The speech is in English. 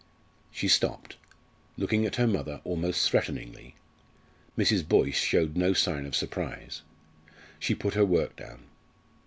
She stopped, looking at her mother almost threateningly. Mrs. Boyce showed no sign of surprise. She put her work down.